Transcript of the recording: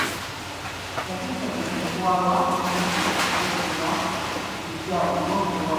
Yatiisatiisa okuwaaba omukutu olw'okugobwa mu bukyamu.